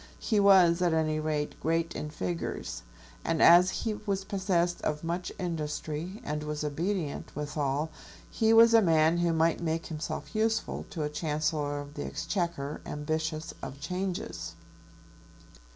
He was at any rate great in figures; and as he was possessed of much industry, and was obedient withal, he was a man who might make himself useful to a Chancellor of the Exchequer ambitious of changes.